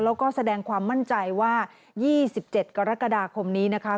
แล้วก็แสดงความมั่นใจว่า๒๗กรกฎาคมนี้นะคะ